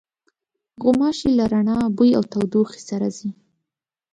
غوماشې له رڼا، بوی او تودوخې سره ځي.